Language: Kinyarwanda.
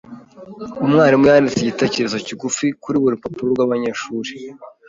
Umwarimu yanditse igitekerezo kigufi kuri buri rupapuro rwabanyeshuri.